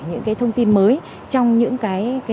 những cái thông tin mới trong những cái